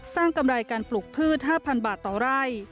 สร้างกำไรการปลูกพืช๕๐๐๐บาทต่อไร